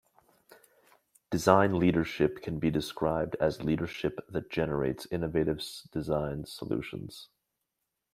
Design leadership can be described as leadership that generates innovative design solutions.